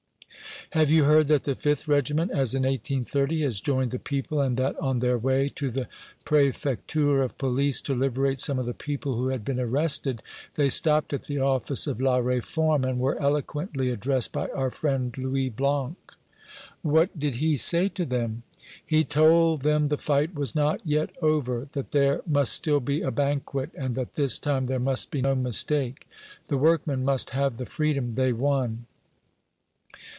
"Have you heard that the 5th Regiment, as in 1830, has joined the people, and that, on their way to the Préfecture of Police to liberate some of the people who had been arrested, they stopped at the office of 'La Réforme,' and were eloquently addressed by our friend, Louis Blanc?" "What did he say to them?" "He told them the fight was not yet over; that there must still be a banquet; and that this time there must be no mistake the workmen must have the freedom they won!"